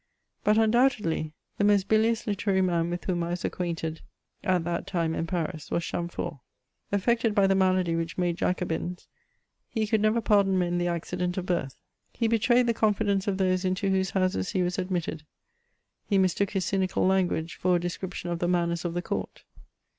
But, undoubtedly, the most bilious Hterary man with whom I was acquainted at that time in Paris was Chamfort ; affected by the malady which made Jacobins, he could never pardon men the accident of birth. He betrayed the confidence of those into whose houses he was admitted; he mistook his cynical language for a description of the manners of the court.